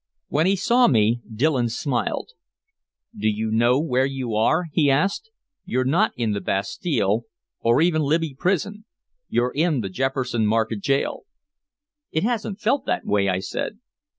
When he saw me, Dillon smiled. "Do you know where you are?" he asked. "You're not in the Bastille or even Libby Prison. You're in the Jefferson Market Jail." "It hasn't felt that way," I said.